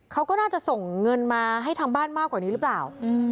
เขาก็น่าจะส่งเงินมาให้ทางบ้านมากกว่านี้หรือเปล่า